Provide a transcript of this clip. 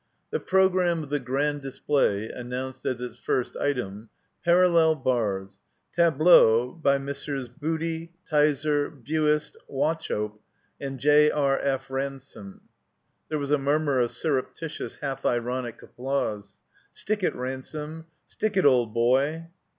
The progranmie of the Grand Display announced as its first item : PARALLEL BARS Tableau by Messes. Booty, Tyser, Buist, Wauchope, and J. R. F. Ransohb 20 THE COMBINED MAZE There was a murmur of surreptitious, half ironic applause. "Stick it, Ransome; stick it, old boy!''